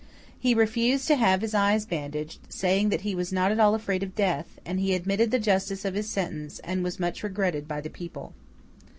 He refused to have his eyes bandaged, saying that he was not at all afraid of death; and he admitted the justice of his sentence, and was much regretted by the people.